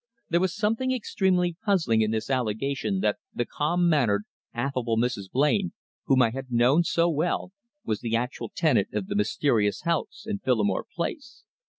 There was something extremely puzzling in this allegation that the calm mannered, affable Mrs. Blain, whom I had known so well, was the actual tenant of the mysterious house in Phillimore Place.